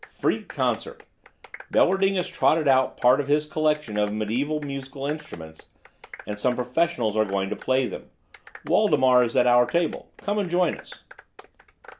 "Freak concert. Bellerding has trotted out part of his collection of mediaeval musical instruments, and some professionals are going to play them. Waldemar is at our table. Come and join us."